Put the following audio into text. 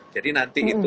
jadi nanti itu